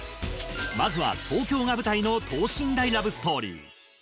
まずは東京が舞台の等身大ラブストーリー。